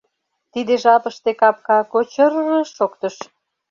Тиде жапыште капка кочыр-р шоктыш.